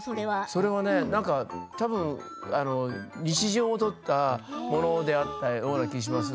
それはたぶん日常を撮ったものであったような気がします。